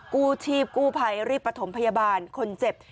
กู้ชีพกู้ภัยรีบประถมพยาบาลคนเจ็บ